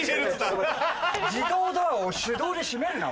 自動ドアを手動で閉めるな。